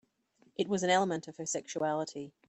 It was an element of her sexuality.